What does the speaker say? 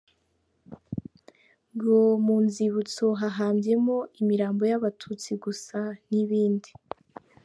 – Ngo mu nzibutso hahambyemo imirambo y’abatutsi gusa , n’ibindi